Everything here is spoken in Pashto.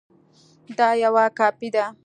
دا یوه کاپي ده